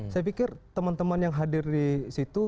saya pikir teman teman yang hadir disitu